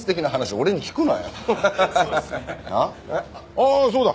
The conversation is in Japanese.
ああそうだ。